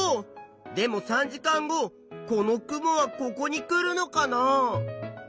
でも３時間後この雲はここに来るのかな？